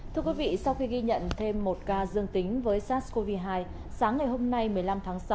thưa quý vị sau khi ghi nhận thêm một ca dương tính với sars cov hai sáng ngày hôm nay một mươi năm tháng sáu